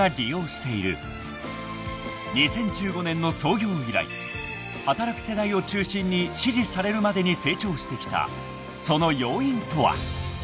［２０１５年の創業以来働く世代を中心に支持されるまでに成長してきたその要因とは］